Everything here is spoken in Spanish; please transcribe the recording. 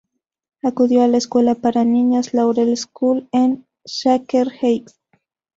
Acudió a la escuela para niñas Laurel School en Shaker Heights.